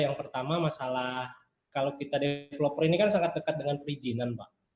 yang pertama masalah kalau kita developer ini kan sangat dekat dengan perizinan pak